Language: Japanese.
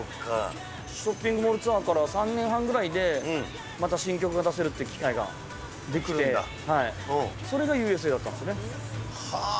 ショッピングモールツアーから３年半ぐらいで、また新曲が出せるっていう機会が出来て、それがＵ．Ｓ．Ａ．だっはぁー。